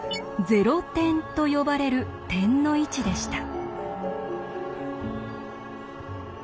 「ゼロ点」と呼ばれる点の位置でした。